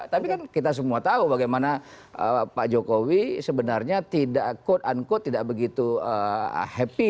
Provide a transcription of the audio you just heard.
tapi kan kita semua tahu bagaimana pak jokowi sebenarnya tidak quote unquote tidak begitu happy